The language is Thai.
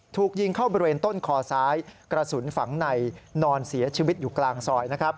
ถูกยิงเข้าบริเวณต้นคอซ้ายกระสุนฝังในนอนเสียชีวิตอยู่กลางซอย